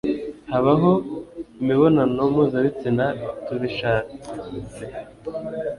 habaho imibonano mpuzabitsina tubishatse